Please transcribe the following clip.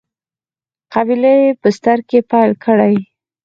قبیله یي بستر کې پیل کړی.